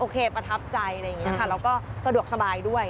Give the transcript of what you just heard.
ประทับใจอะไรอย่างนี้ค่ะแล้วก็สะดวกสบายด้วย